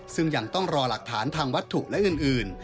ซึ่งยังต้องรอหลักฐานทางวัตถุและอื่น